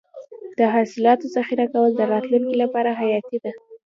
د حاصلاتو ذخیره کول د راتلونکي لپاره حیاتي دي.